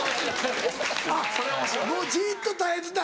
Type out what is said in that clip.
あっもうじっと耐えてた。